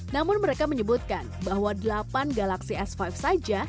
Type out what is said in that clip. namun mereka menyebutkan bahwa delapan galaxy s lima saja